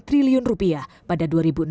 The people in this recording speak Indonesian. tiga triliun rupiah pada dua ribu enam belas